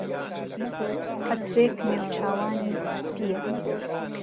قهترێک نێوچاوانی سپییه